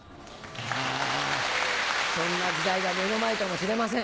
あそんな時代が目の前かもしれません。